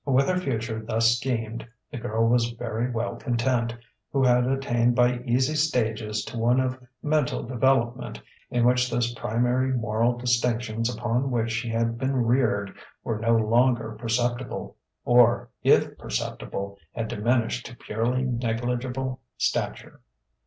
With her future thus schemed, the girl was very well content, who had attained by easy stages to one of mental development in which those primary moral distinctions upon which she had been reared were no longer perceptible or, if perceptible, had diminished to purely negligible stature.